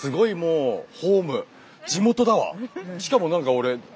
地元だわ。